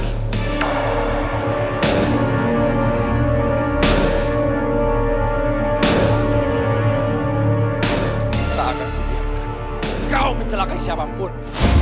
tak akan kubiarkan kau mencelakai siapapun